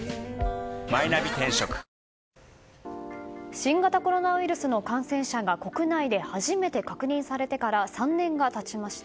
新型コロナウイルスの感染者が国内で初めて確認されてから３年が経ちました。